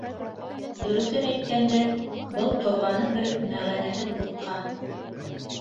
—Дөрөҫөн әйткәндә, был торғаны бер мәғәнәһеҙ бутҡа!